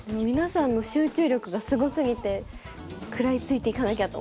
皆さんの集中力がすごすぎて食らいついていかなきゃと思って。